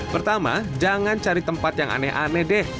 pertama jangan cari tempat yang aneh aneh deh